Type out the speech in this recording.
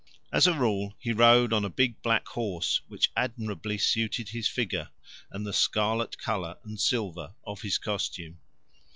As a rule he rode on a big black horse which admirably suited his figure and the scarlet colour and silver of his costume.